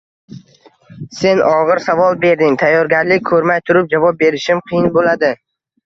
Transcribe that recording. Sen og‘ir savol berding, tayyorgarlik ko‘rmay turib javob berishim qiyin bo‘ladi.